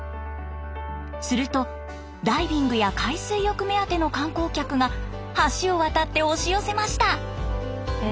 するとダイビングや海水浴目当ての観光客が橋を渡って押し寄せました。